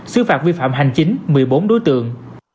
sư phạm vi phạm hành chính một mươi bốn đối tượng